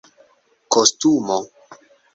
kostumo